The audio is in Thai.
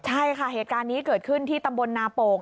ใช่ค่ะเหตุการณ์นี้เกิดขึ้นที่ตำบลนาโป่ง